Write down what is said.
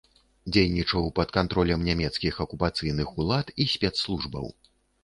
Дзейнічаў пад кантролем нямецкіх акупацыйных улад і спецслужбаў.